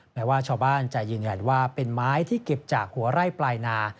แม้ว่าชาวบ้านจะยืนยันว่าเป็นไม้ที่เก็บจากหัวไร่ปลายนา